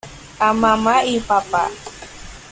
A mamá y papá.